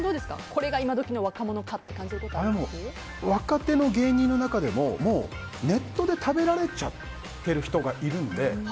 これが今の若者かと若手の芸人の中でもネットで食べられちゃっている人がいるので。